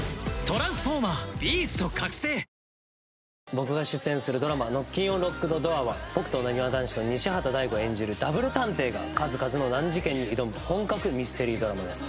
僕が出演するドラマ『ノッキンオン・ロックドドア』は僕となにわ男子の西畑大吾が演じるダブル探偵が数々の難事件に挑む本格ミステリードラマです。